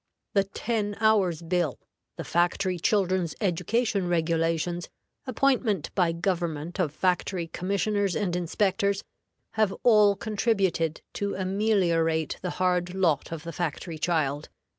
The Ten Hours' Bill, the Factory Childrens' Education regulations, appointment by government of factory commissioners and inspectors, have all contributed to ameliorate the hard lot of the factory child.